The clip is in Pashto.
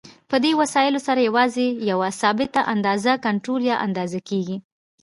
په دې وسایلو سره یوازې یوه ثابته اندازه کنټرول یا اندازه کېږي.